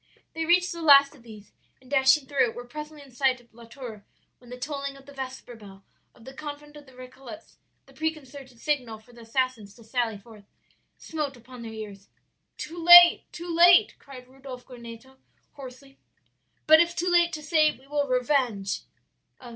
"They reached the last of these, and dashing through it, were presently in sight of La Tour, when the tolling of the vesper bell of the convent of the Récollets the preconcerted signal for the assassins to sally forth smote upon their ears. "'Too late! too late!' cried Rudolph Goneto hoarsely. "'But if too late to save, we will avenge!'